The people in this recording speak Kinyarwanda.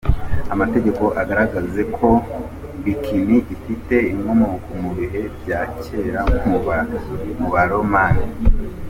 Amateka agaragaza ko “Bikini” ifite inkomoko mu bihe bya cyera mu Baromani.